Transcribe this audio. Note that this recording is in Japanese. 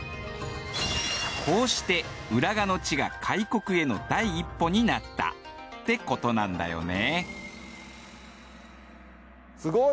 こうして浦賀の地が開国への第一歩になったってことなんだよね。